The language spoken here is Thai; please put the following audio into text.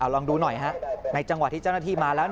ลองดูหน่อยฮะในจังหวะที่เจ้าหน้าที่มาแล้ว